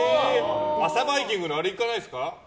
朝バイキングのあれいかないですか？